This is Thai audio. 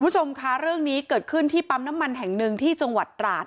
คุณผู้ชมค่ะเรื่องนี้เกิดขึ้นที่ปั๊มน้ำมันแห่งหนึ่งที่จังหวัดตราด